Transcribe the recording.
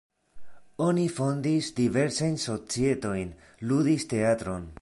Oni fondis diversajn societojn, ludis teatron.